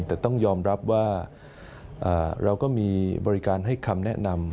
แต่ต้องยอมรับว่าเราก็มีบริการให้คำแนะนำ